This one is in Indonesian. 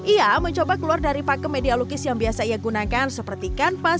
ia mencoba keluar dari pakem media lukis yang biasa ia gunakan seperti kanvas